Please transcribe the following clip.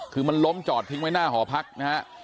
คือมันล้มจอดทิ้งไว้หน้าหอพักนะฮะ